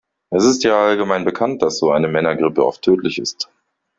Es ist ja allgemein bekannt, dass so eine Männergrippe oft tödlich ist.